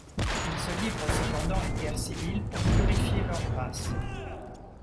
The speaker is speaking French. Ils se livrent cependant une guerre civile pour purifier leur race.